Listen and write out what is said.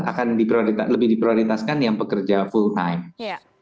akan lebih diprioritaskan yang pekerja full time